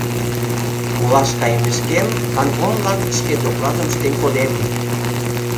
Олаш кайымешкем, канткомлан шке докладым ыштен кодем!..